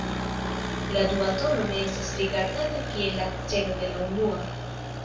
La dua tono ne estis rigardata kiel la 'celo' de la unua.